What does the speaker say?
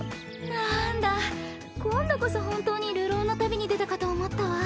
なんだ今度こそ本当に流浪の旅に出たかと思ったわ。